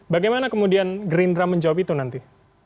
bagaimana kemudian gerindra menjawab itu nanti